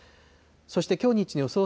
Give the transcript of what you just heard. そしてきょう日中の予想